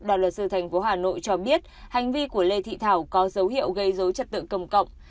đoàn luật sư thành phố hà nội cho biết hành vi của lê thị thảo có dấu hiệu gây dối trật tự cầm cộng